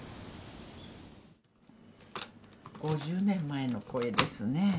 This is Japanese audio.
５０年前の声ですね